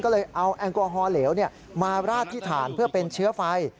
ก็เลยเอาแอลกอฮอลเหลวมาราดที่ถ่านเพื่อเป็นเชื้อไฟ